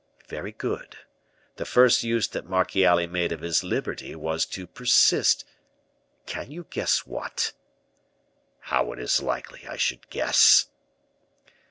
"Very good; the first use that Marchiali made of his liberty was to persist Can you guess what?" "How is it likely I should guess?"